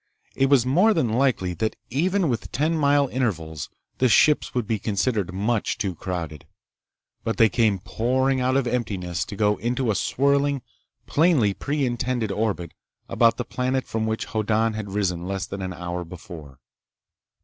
It was more than likely that even with ten mile intervals the ships would be considered much too crowded. But they came pouring out of emptiness to go into a swirling, plainly pre intended orbit about the planet from which Hoddan had risen less than an hour before.